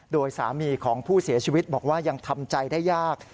โดยสามีของผู้เสียชีวิตบอกว่ายังทำใจได้ยาก